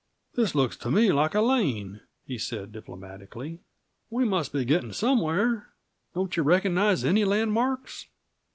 "This looks to me like a lane," he said diplomatically. "We must be getting somewhere; don't you recognize any landmarks?"